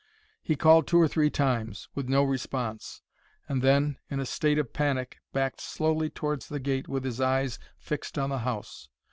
He called two or three times, with no response, and then, in a state of panic, backed slowly towards the gate with his eyes fixed on the house.